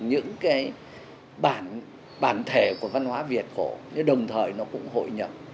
những bản thể của văn hóa việt cổ đồng thời nó cũng hội nhập